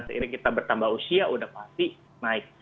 seiring kita bertambah usia sudah pasti naik